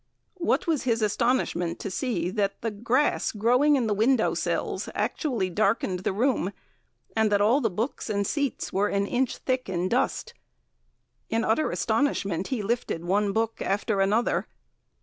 What was his astonishment to see that the grass growing in the window sills actually darkened the room, and that all the books and seats were an inch thick in dust. In utter astonishment he lifted one book after another.